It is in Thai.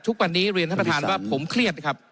ทุกวันนี้เรียนท่านประธานว่าผมเครียดนะครับ